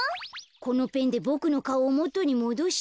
このペンでボクのかおをもとにもどして。